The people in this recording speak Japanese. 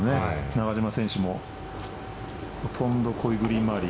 中島選手もほとんどこういうグリーン周り